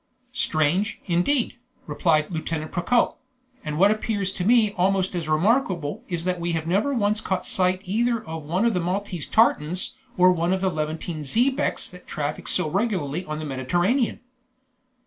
"Strange, indeed," replied Lieutenant Procope; "and what appears to me almost as remarkable is that we have never once caught sight either of one of the Maltese tartans or one of the Levantine xebecs that traffic so regularly on the Mediterranean."